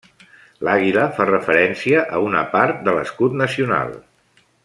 L'àguila fa referència a una part de l'escut nacional.